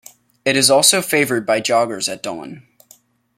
It is also favoured by joggers at dawn.